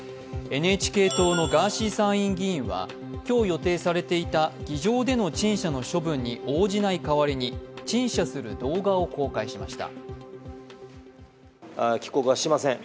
ＮＨＫ党のガーシー参議院議員は議場での陳謝の処分に応じない代わりに陳謝する動画を公開しました。